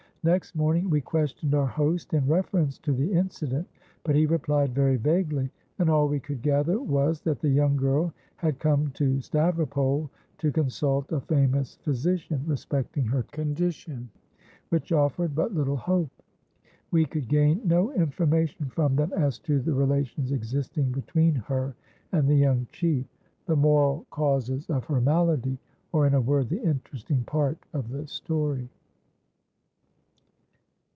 Next morning we questioned our host in reference to the incident, but he replied very vaguely, and all we could gather was, that the young girl had come to Stavropol to consult a famous physician respecting her condition, which offered but little hope. We could gain no information from them as to the relations existing between her and the young chief, the moral causes of her malady, or, in a word, the interesting part of the story."